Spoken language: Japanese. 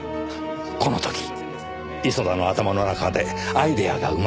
この時磯田の頭の中でアイデアが生まれました。